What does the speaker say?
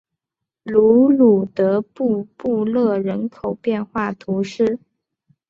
卢鲁德布布勒人口变化图示